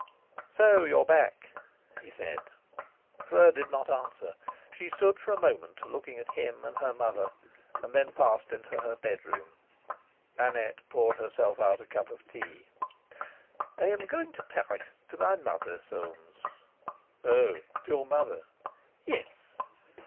"So you're back!" he said. Fleur did not answer; she stood for a moment looking at him and her mother, then passed into her bedroom. Annette poured herself out a cup of tea. "I am going to Paris, to my mother, Soames." "Oh! To your mother?" "Yes."